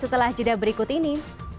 setelah jeda berikut ini